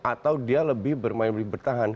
atau dia lebih bermain lebih bertahan